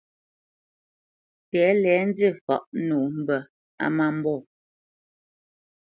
Tɛ̌lɛ nzî fǎʼ nǒ mbə̄ á má mbɔ̂.